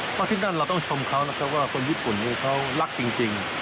เพราะที่นั่นเราต้องชมเขานะครับว่าคนญี่ปุ่นนี้เขารักจริง